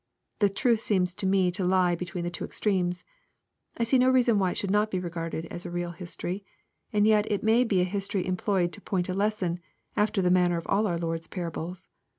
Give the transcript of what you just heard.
The truth seems to me to lie between the two extremes. I see no reason why it should not be regarded as a real history. And yet it may be a history employed to point a lesson, after the manner of all our Lord's parables.